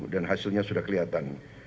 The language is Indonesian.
dan hasilnya sudah kelihatan